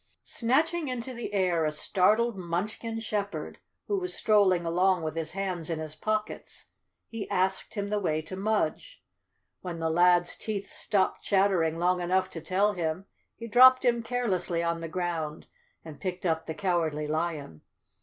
Snatching into the air a startled Munchkin shepherd, who was strolling along with his hands in his pockets, he asked him the way to Mudge. When the lad's teeth stopped chattering long enough to tell him, he dropped him carelessly on the ground and picked up the Coward¬ ly Lion.